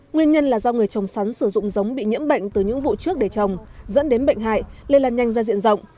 nguyên nhân là do người trồng sắn sử dụng giống bị nhiễm bệnh từ những vụ trước để trồng dẫn đến bệnh hại lây lan nhanh ra diện rộng